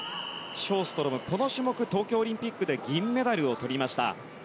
ショーストロム、この種目東京オリンピックで銀メダルをとりました。